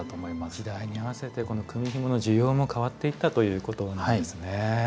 時代に合わせてこの組みひもの需要も変わっていったということなんですね。